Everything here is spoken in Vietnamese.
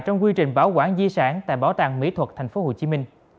trong quy trình bảo quản di sản tại bảo tàng mỹ thuật tp hcm